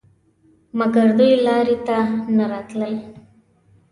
مګر دوی لارې ته نه راتلل.